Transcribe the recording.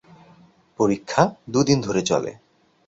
পরীক্ষা দু'দিন ধরে চলে।